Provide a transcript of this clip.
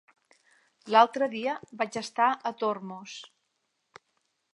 L'altre dia vaig estar a Tormos.